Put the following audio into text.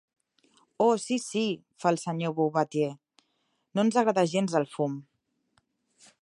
Oh, sí, sí –fa el senyor Bouvatier–, no ens agrada gens, el fum.